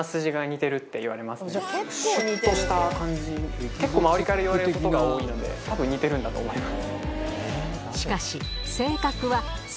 シュっとした感じって周りから言われることが多いので多分似てるんだと思います。